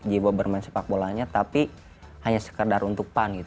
jiwa bermain sepak bolanya tapi hanya sekedar untuk pan